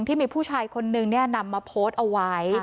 ที่มีผู้ชายคนนึงนำมาโพสต์เอาไว้